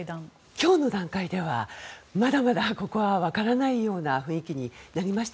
今日の段階ではまだまだここは分からないような雰囲気になりました。